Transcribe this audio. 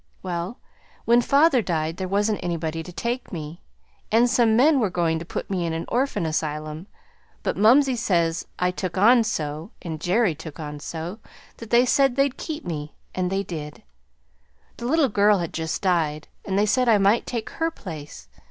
Well, when father died there wasn't anybody to take me, and some men were goin' to put me in an orphan asylum; but mumsey says I took on so, and Jerry took on so, that they said they'd keep me. And they did. The little girl had just died, and they said I might take her place.